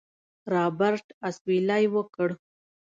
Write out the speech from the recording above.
رابرټ اسويلى وکړ.